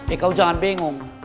eh kau jangan bengong